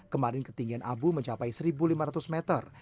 kemarin ketinggian abu mencapai satu lima ratus meter